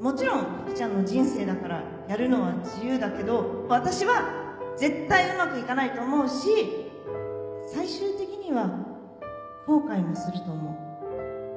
もちろん福ちゃんの人生だからやるのは自由だけど私は絶対うまくいかないと思うし最終的には後悔もすると思う。